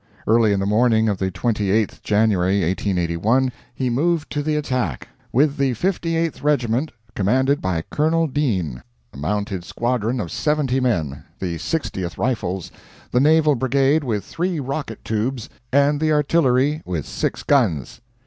Early in the morning of the 28th January, 1881, he moved to the attack "with the 58th regiment, commanded by Colonel Deane, a mounted squadron of 70 men, the 60th Rifles, the Naval Brigade with three rocket tubes, and the Artillery with six guns."